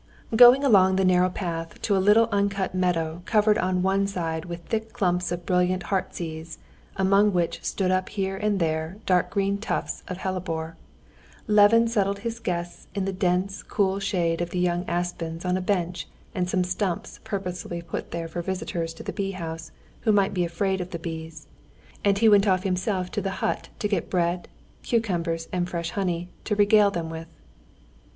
Going along the narrow path to a little uncut meadow covered on one side with thick clumps of brilliant heart's ease among which stood up here and there tall, dark green tufts of hellebore, Levin settled his guests in the dense, cool shade of the young aspens on a bench and some stumps purposely put there for visitors to the bee house who might be afraid of the bees, and he went off himself to the hut to get bread, cucumbers, and fresh honey, to regale them with.